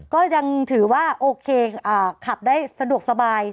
ก็ยังถือว่าโอเคขับได้สะดวกสบาย